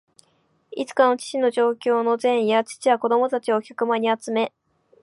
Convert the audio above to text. いつかの父の上京の前夜、父は子供たちを客間に集め、